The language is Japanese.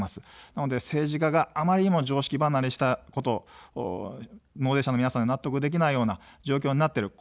なので政治家があまりにも常識離れしたこと、納税者の皆さんが納得できないような状況になっている。